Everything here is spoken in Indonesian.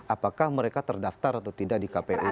apakah mereka terdaftar atau tidak di kpu